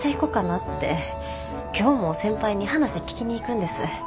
今日も先輩に話聞きに行くんです。